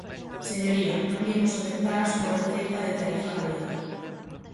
Señoría, non lle imos aceptar a súa receita de tarifa galega.